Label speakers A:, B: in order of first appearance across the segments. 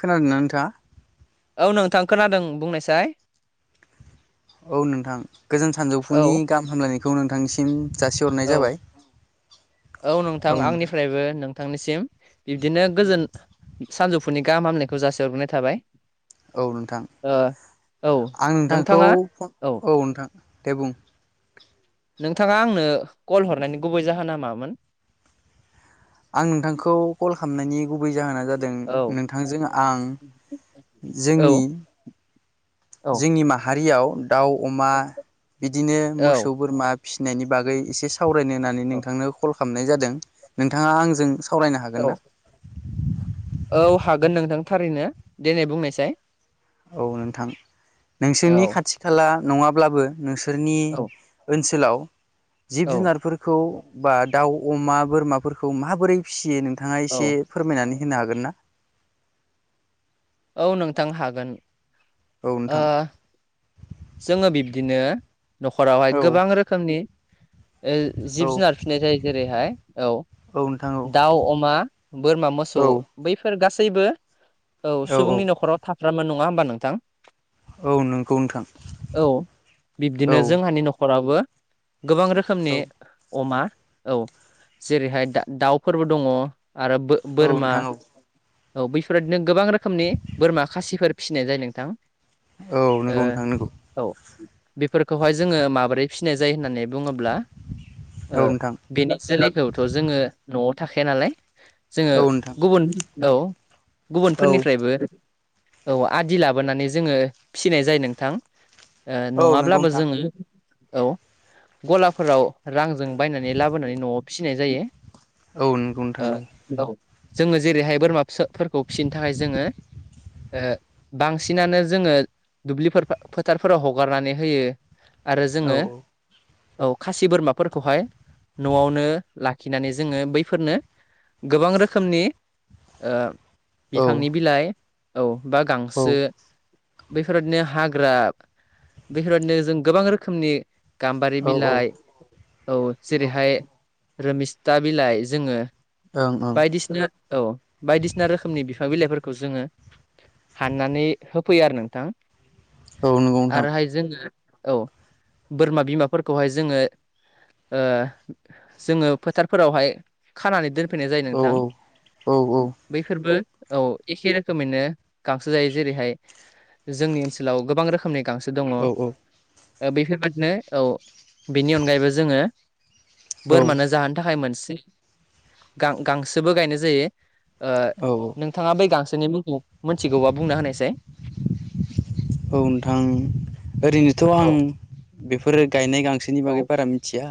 A: खोनादोंना नोंथाङा?
B: औ नोंथां खोनादों बुंनायसाय।
A: औ नोंथां गोजोन
B: औ
A: सानजौफुनि गाहाम हामलायनायखौ नोंथांसिम
B: औ औ नोंथां आंनिफ्रायबो नों थांनिसिम बिब्दिनो गोजोन सानजौफुनि गाहाम हामनायखौ जासे हरग्रोनाय थाबाय।
A: औ नोंथां
B: ओ औ
A: आं नोंथांखौ
B: नोंथाङा
A: औ नोंथां दे बुं।
B: नोंथाङा आंनो कल हरनायनि गुबै जाहोना मामोन?
A: आं नोंथांखौ कल खालामनायनि गुबै जाहोना जादों
B: औ
A: नोंथांजों आं जोंनि
B: औ औ
A: जोंनि माहारियाव दाउ अमा बिदिनो
B: औ
A: मोसौ बोरमा फिसिनायनि बागै एसे सावरायनो होननानै
B: औ
A: नोंथांनो कल खालामनाय जादों नोंथाङा आंजों सावरायनो हागोन
B: औ
A: ना?
B: औ हागोन नोंथां थारैनो दनै बुंनायसाय।
A: औ नोंथां
B: औ
A: नोंसोरनि खाथि खाला नङाब्लाबो नोंसोरनि
B: औ
A: ओनसोलाव जिब
B: औ
A: जुनारफोरखौ बा दाउ अमा बोरमाफोरखौ माबोरै फिसियो नों नोंथाङा
B: औ
A: एसे फोरमायनानै होनो हागोन ना?
B: औ नोंथां हागोन।
A: औ
B: ओ
A: नोंथां
B: जोङो बिब्दिनो
A: औ नोंथां
B: न'खरावहाय
A: औ
B: गोबां रोखोमनि
A: औ
B: जिब जुनार फिननाय जायो जेरैहाय औ
A: नोंथां औ
B: दाउ अमा बोरमा मोसौ
A: औ
B: बैफोर गासैबो गासैबो औ सुबुंनि न'खराव थाफ्रामो नङा होमबा नोंथां
A: औ नंगौ नोंथां
B: औ
A: औ
B: बिब्दिनो जोंहानि न'खराबो गोबां रोखोमनि
A: औ
B: अमा औ जेरैहाय दाउफोरबो दङ आरो
A: औ
B: बोरमा
A: नोंथां औ
B: औ बैफोर बादिनो गोबां रोखोमनि बोरमा खासिफोर फिसिनाय जायो नोंथां
A: औ
B: ओ
A: नंगौ नोंथां नंगौ
B: औ बेफोरखौहाय जोङो माबोरै फिसिनाय जायो होननानै बुङोब्ला
A: औ नोंथां
B: बेनि जोलैखौथ' जोङो न'आव थाखाया नालाय जोङो
A: औ नोंथां
B: गुबुन औ
A: औ
B: गुबुनफोरनिफ्रायबो औ आदि लाबोनानै जोङो फिनाय जायो नोंथां ओ
A: औ नंगौ
B: नङाब्लाबो
A: नोंथां
B: जोङो औ गलाफोराव रांजों बायनानै लाबोनानै न'आव फिसिनाय जायो
A: औ नंगौ नोंथां
B: ओ
A: नंगौ
B: औ जोङो जेरैहाय बोरमाफोरखौ फिसिनो थाखाय जोङो ओ बांसिनानो जोङो दुब्लिफोर फा फोथारफोराव हगारनानै होयो आरो
A: औ
B: जोङो औ खासि बोरमाफोरखौहाय न'आवनो लाखिनानै जोङो बैफोरनो गोबां रोखोमनि ओ
A: औ
B: बिफांनि बिलाइ औ बा
A: औ
B: गांसो बेैफोर बादिनो हा बेफोरबायदिनो जों गोबां रोखोमनि गाम्बारि
A: औ ओं
B: बिलाइ औ जेरैहाय रमिस्था बिलाइ जोङो
A: ओं
B: बायदिसिना औ बायदिसिना रोखोमनि बिफां बिलाइफोर खौ जोङो हाननानै होफैयो आरो नोंथां
A: औ नंगौ नोंथां
B: आरोहाय जोङो औ बोरमा बिमाफोरखौहाय जोङो जोङो फोथारफोरावहाय खानानै दोन फैनाय जायो
A: औ
B: नोंथां
A: औ औ
B: बैफोरबो औ एखे रोखोमैनो गांसो जायो जेरैहाय जोंनि ओनसोलाव गोबां रोखोमनि गांसो दङ
A: औ
B: बेफोरबायाददिनो औ बेनि अनगायैबो जोङो
A: औ
B: बोरमानो जाहोनो थाखाय मोनसेां गांसोबो गायनाय जायो ओ
A: औ औ
B: नोंथाङा बै गांसोनि मुंखौ मिथिगौबा बुंना होनायसै
A: औ नोंथां ओरैनोथ' आं
B: औ
A: बेफोरो गायनाय गांसे सोनि
B: औ
A: बागै बारा मिथिया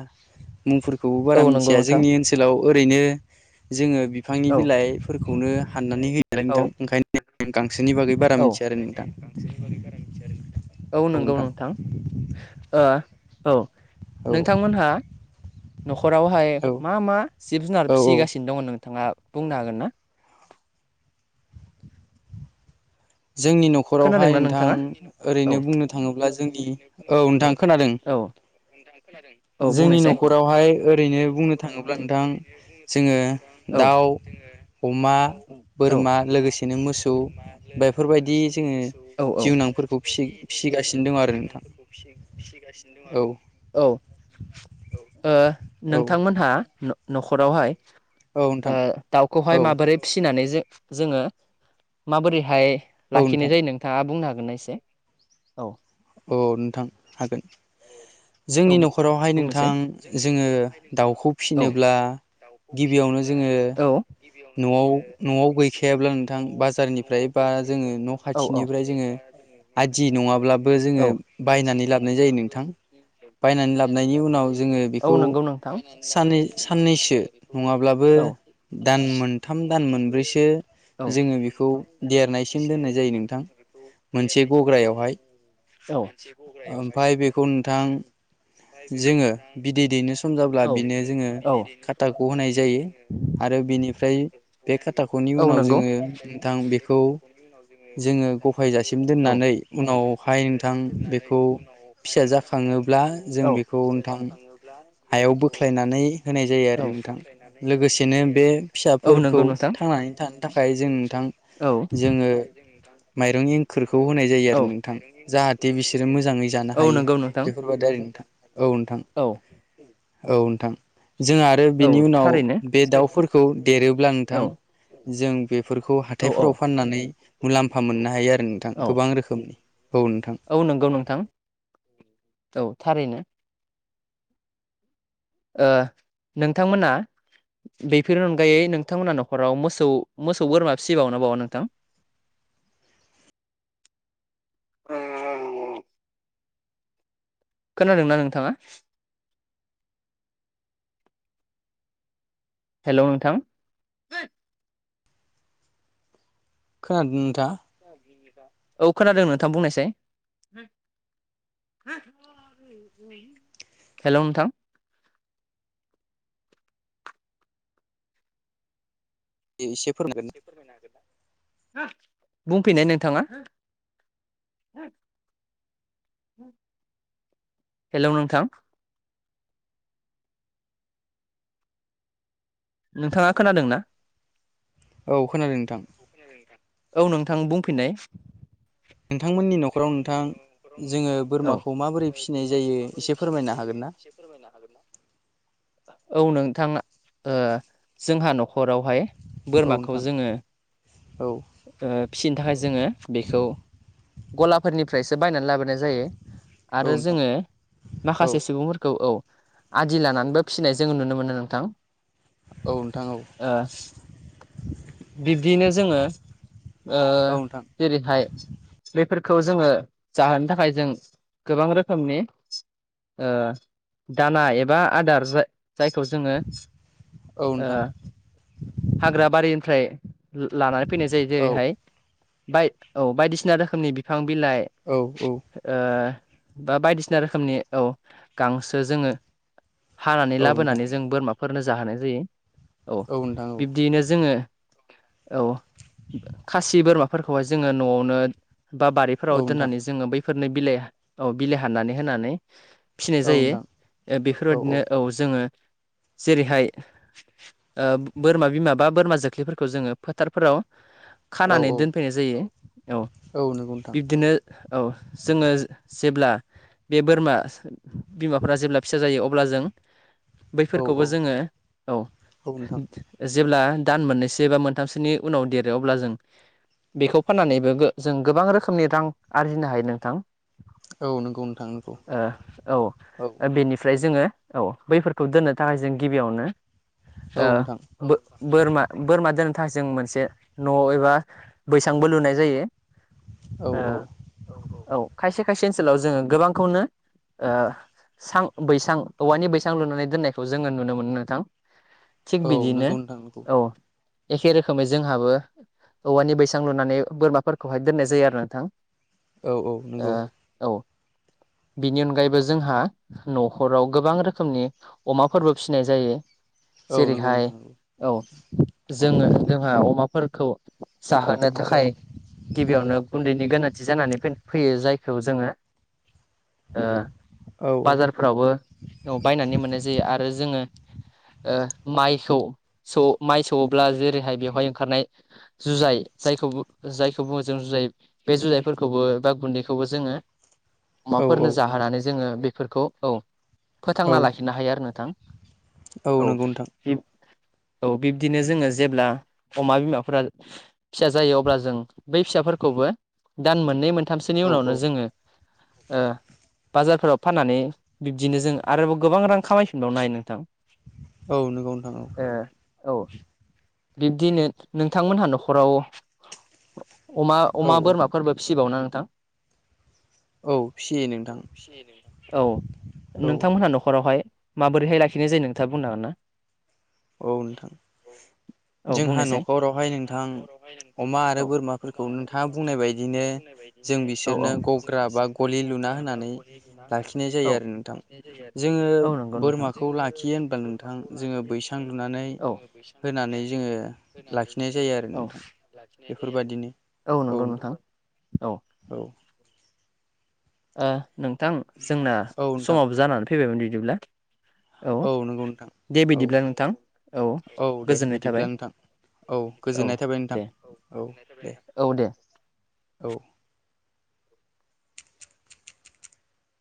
A: मुंफोरखौबो
B: औ
A: बारा
B: नंगौ
A: मिथिया
B: नोंथां
A: जोंनि ओनसोलाव ओरैनो जोङो बिफांनि
B: औ
A: बिलाइफोरखौनो हाननानै होयोलाय नोंथां
B: औ
A: ओंखायनो गांसोनि बागै बारा मिथिया आरो नोंथां
B: औ नंगौ नोंथां ओ औ
A: औ
B: नोंथांमोनहा न' खरावहाय
A: औ
B: मा मा जिब जुनार
A: औ औ
B: फिसिगासिनो दङ नोंथाङा बुंनो हागोन ना
A: जोंनि न'खरावहाय
B: खोनादोंना नोंथाङा
A: नोंथां ओरैनो
B: औ
A: बुंनो थाङोब्ला जोंनि औ नोंथां खोनादों
B: था
A: जोंनि न'खरावहाय ओरैनो बुंनो थाङोब्ला नोंथां जोङो
B: औ
A: दाउ अमा
B: औ
A: बोरमा लोगोसेनो मोसौ बे बेफोरबायदि जोङो
B: मोसौ औ औ
A: जिउनांफोरखौ फिसि
B: बेफोरबायदि जोङो
A: फिसिगासिनो दं आरो नोंथां
B: जुनारफोरखौ फिसिगासिनो दं
A: औ
B: आरो औ
A: औ
B: नोंथांमोनहा न'खरावहाय
A: औ नोंथां औ
B: दाउखौहाय माबोरै फिसिनानै जोङो माबोरैहाय लाखिनाय
A: नोंथां
B: जायो नोंथाङा बुंनो हागोनना एसे? औ
A: औ नोंथां हागोन।
B: औ
A: जोंनि न'खरावहाय
B: बुंनोसै
A: नोंथां जोङो दाउखौ
B: औ
A: फिसिनोब्ला गिबियावनो जोङो
B: औ
A: न'आव न'आव गैखायाब्ला नोंथां बाजारनिफ्राय
B: न'आव
A: बा
B: गैखायाब्ला
A: जोङो न'
B: नोंथां औ
A: खाथिनिफ्राय
B: औ
A: जोङो
B: जओबा
A: आदि
B: जोङो न'
A: नङाब्लाबो
B: खाथिनिफ्राय जोङो
A: बायनानै
B: औ
A: लाबोनाय जायो
B: हथि
A: नोंथां
B: नङाब्लाबो
A: बायनानै लाबोननि उनाव जोङो
B: औ
A: बेखौ
B: नंगौ नोंथां
A: सान साननैसो नङाब्लाबो
B: औ
A: दान मोनथाम दान मोनब्रैसो
B: औ दान
A: जोङो बेखौ
B: मोनथाम दान
A: देरनायसिम
B: मोनब्रैसो
A: दोननाय जायो। नोंथां मोनसे गग्रायावहाय
B: औ मोनसे गग्रायावहाय
A: ओमफ्राय बेखौ नोंथां जोङो बिदै दैनो सम जाब्ला
B: औ
A: बिनो जोङो
B: बिदै दैनो
A: खाथाखौ
B: समजाब्ला
A: होनाय
B: बिनो
A: जायो।
B: जोङो
A: आरो बेनिफ्राय बे खाथााखनि
B: औ
A: उनाव
B: नंगौ
A: जोङो
B: बेनिफ्राय
A: नोंथां बेखौ जोङो गफायजासिम
B: औ
A: दोननानै उनावहाय नोंथां बेखौ फिसा जाखाङोब्ला जों
B: औ
A: बेखौ नोंथां हायाव बोख्लायनानै होनाय जायो
B: औ
A: आरो नोंथां
B: बोख्लायनानै होनाय
A: लोगोसेनो
B: जायो
A: बे
B: आरो नोंथां। औ नंगौ
A: फिसाफोरखौ
B: नोंथां बे
A: थांनानै थानो थाखाय जों नोंथां जोङो माइरं एंखोरखौ होनाय जायो आरो
B: जों
A: नोंथां जाहाथे बिसोरो मोजाङै जानो हायो। बेफोरबायादि नोंथां औ नोंथां औ नोंथां जों आरो बिनि उनाव
B: बेफोरखौ
A: बे दाउफोरखौ देरोब्ला नोंथां जों बेफोरखौ हाथायफोराव फाननानै मुलाम्फा मोननो हायो आरो नोंथां
B: मुलाम्फा
A: गोबां रोखोमनि औ नोंथां
B: औ नंगौ नोंथां
A: [unintelligible]
B: औ थारैनो नोंथांमोना बेफोरनि अनगायै नोंथांमोनहा न'खराव मोसौ मोसौ बोरमा फिसिबावनो बावा नोंथां?
A: [inaudible]
B: खोनादोंना नोंथाङा? हेलौ नोंथां
A: खोनादों नोंथा
B: औ खोनादों नोंथां बुंनायसाय हेलौ नोंथां
A: एसे फोरमायगोन
B: एसे फोरमायनो हागोन ना? बुंफैनाय नोंथाङा? हेलौ नोंथां नोंथाङा खोनादों ना?
A: औ खोनादों नोंथां
B: औ नोंथां बुंफिननाय।
A: नोंथांमोननि न'खराव नोंथां जोङो
B: औ
A: बोरमाखौ माबोरै फिसिनाय जायो एसे फोरमायनो हागोन ना?
B: औ नोंथां जोंहा न'खरावहाय
A: औ
B: बोरमाखौ
A: नोंथां
B: जोङो
A: औ
B: फिसिनो थाखाय जोङो बेखौ गलाफोरनि फ्रायसो बायनानै लाबोनाय जायो
A: औ
B: आरो
A: नोंथां
B: जोङो
A: औ
B: माखासे सुबुंफोरखौ औ आदि लानानैबो फिसिनाय जों नुनो मोनो नोंथां।
A: औ नोंथां औ
B: ओ बिब्दिनो जोङो
A: औ
B: जेरैहाय बेफोर खौ जोङो जाहोनो थाखाय जों गोबां रोखोमनि दाना एबा आदार जाय जायखौ जोङो
A: औ नोंथां औ नोंथां
B: हाग्रा बारिनिफ्राय लानानै फैनाय जायो
A: औ
B: जेरैहाय बाय औ बायदिसिना रोखोमनि बिफां बिलाइ
A: औ
B: ओ बा बायदिसिना रोखोमनि औ गांसो जोङो हानानै
A: औ नोंथां
B: लाबोनानै जों बोरमाफोरनो जाहोनाय जायो औ
A: नोंथां औ
B: बिब्दियैनो जोङो औ खासि बोरमाफोरखौहाय जोङो न'आवनो बा
A: औ
B: बारिफोराव
A: नोंथां
B: दोननानै जोङो बैफोरनो बिलाइ औ बिलाइ हनानै होनानै फिनाय
A: औ नोंथां
B: जायो बेफोरबायदिनो औ जोङो जेरैहाय बोरमा बिमा बा बोरमा जोख्लिफोरखौ जोङो फोथारफोराव
A: औ
B: खानानै दोनफैनाय जायो औ
A: नंगौ नोंथां
B: बिब्दिनो औ जोङो जेब्ला बे बोरमा बिमाफोरा जेब्ला फिसा जायो अब्ला जों
A: औ
B: बैफोरखौबो जोङो औ
A: औ नोंथां
B: जेब्ला दान मोननैसो बा मोनथामसोनि उनाव देरो अब्ला जों बेखौ फाननानैबो जों गोबां रोखोमनि रां आरजिनो हायो नों
A: औ नंगौ नोंथां नंगौ
B: औ बेनिफ्राय जोङो औ बैफोरखौ दोननो थाखाय जों गिबियावनो
A: औ
B: ओ
A: नोंथां
B: बो बोरमा बोरमा दोन थाजों मोनसे न' एबा बैसांबो लुनाय जायो
A: औ
B: ओ
A: औ
B: औ खायसे खायसे ओनसोलाव जोङो गोबांखौनो ओ सां बैसां औवानि बैसां लुनानै दोननायखौ जोङो नुनो मोनो नोंथां थिग
A: औ
B: बिदिनो
A: नंगौ नोंथां नंगौ
B: औ एखे रोखोमै जोंहाबो औवानि बैसां लुनानै बोरमाफोरखौहाय दोननाय जायो आरो नोंथां
A: औ औ
B: ओ
A: नंगौ
B: औ
A: [inaudible]
B: बिनि अनगायैबो जोंहा न'खराव गोबां रोखोमनि अमाफोरबो फिसिनाय जायो
A: औ नंगौ
B: जेरैहाय
A: नोंथां नंगौ
B: औ
A: अ
B: जोङो जोंहा अमाफोरखौ जाहोनो थाखाय गिबियावनो गुन्दैनि गोनांथि जानानै फै-फैयो जायखौ जोङो ओ
A: औ
B: बाजारफ्रावबो औ बायनानै मोननाय जायो आरो जोङो
A: [inaudible]
B: ओ माइखौ माइ सौ-सौवोब्ला जेरैहाय बेवहाय ओंखारनाय जुजाय जाय खौ जायखौ बुङो जों जुजाय बे जुजायफोरखौ खौबो बा गुन्दैखौबो जोङो
A: औ
B: अमाफोरनो जाहोनानै जोङो बेफोरखौ औ
A: औ
B: फोथांना लाखिनो हायो आरो नोंथां।
A: औ नंगौ नोंथां।
B: औ बिब्दिनो जोङो जेब्ला अमा बिमाफोरा फिसा जायो अब्ला जों बै फिसाफोर खौबो दान मोननै मोनथामसोनि
A: औ
B: उनावनो
A: औ
B: जोङो ओ बाजारफोराव फाननानै बिब्दिनो जों आरोबाव गोबां रां खामायफिनबावनो हायो नोंथां।
A: औ नोंगौ नोंथां औ
B: औ ओ बिब्दिनो नोंथांमोनहा न'खराव
A: औ
B: अमा-अमा, बोरमाफोरबो फिसिबावना नोंथां?
A: औ फिसियो नोंथां
B: [unintelligible] औ
A: औ
B: नोंथांमोनहा न'खरावहाय माबोरैहाय लाखिनाय जायो नोंथाङा बुंनो हागोन ना?
A: औ नोंथां।
B: औ
A: जोंहा
B: बुंनायसै
A: न'खरावहाय
B: जोंहा
A: नोंथां
B: न'खरावहाय नोंथां
A: अमा आरो
B: औ
A: बोरमाफोरखौ
B: अमा आरो
A: नोंथाङा बुंनाय
B: बोरमाफोरखौ
A: बायदिनो
B: नोंथाङा बुंनाय
A: जों
B: बायदिनो औ औ
A: बिसोरनो
B: जों
A: गग्रा बा
B: बिसोरनो
A: गलि लुना
B: गग्रा बा
A: होनानै
B: गलि लुना होननानै
A: लाखिनाय जायो
B: औ
A: आरो नोंथां
B: लाखिनाय जायो आरो
A: जोङो
B: नोंथां। औ नंगौ नोंथां।
A: बोरमाखौ
B: जोङो
A: लाखियो होनब्ला नोंथां
B: बोरमाखौ
A: जोङो
B: लाखियो
A: बैसां लुनानै
B: नोंथां। औ। जों बैसां
A: होनानै
B: लुनानै
A: जोङो
B: होनानै
A: लाखिनाय
B: जोङो
A: जायो आरो
B: औ
A: नोंथां
B: लाखिनाय जायो आरो।
A: बेफोरबादिनो
B: औ नंगौ नोंथां।
A: औ
B: ओ नोंथां जोंना
A: औ नोंथां
B: समाव जानानै फैबायमोन बिदिब्ला।
A: औ नंगौ नोंथां
B: दे
A: औ
B: बिदिब्ला नोंथां
A: औ दे
B: गोजोननाय थाबाय
A: बिदिब्ला नोंथां। औ गोजोननाय थाबाय नोंथां औ दे
B: औ दे
A: औ